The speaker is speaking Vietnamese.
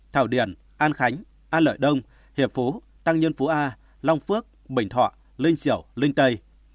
thảo điền an khánh an lợi đông hiệp phú tăng nhân phú a long phước bình thọ linh diểu linh tây